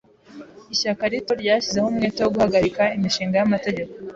Ishyaka rito ryashyizeho umwete wo guhagarika imishinga y'amategeko.